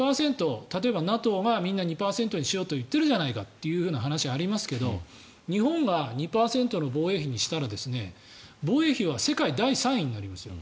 例えばＮＡＴＯがみんな２％にしようと言っているんじゃないかという話がありますが日本が２％の防衛費にしたら防衛費は世界第３位になりますよ。